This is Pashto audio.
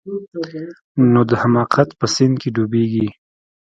نو د حماقت په سيند کښې ډوبېږي.